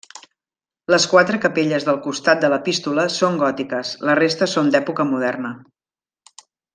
Les quatre capelles del costat de l'epístola són gòtiques, la resta són d'època moderna.